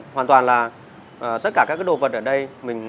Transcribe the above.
hoàn toàn là tất cả các đồ vật ở đây mình